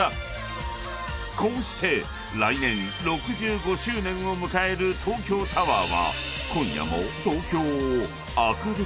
［こうして来年６５周年を迎える東京タワーは］